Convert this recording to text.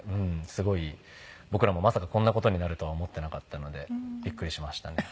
すごい僕らもまさかこんな事になるとは思ってなかったのでびっくりしましたね。